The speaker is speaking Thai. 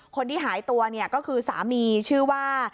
คนที่หายตัวเนี่ยก็คือสามีชื่อว่า